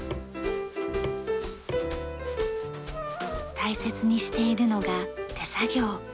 大切にしているのが手作業。